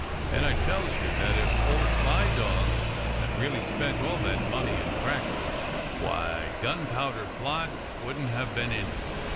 And I tells you that if old sly dog had really spent all that money in crackers, why, Gunpowder Plot wouldn't have been in it.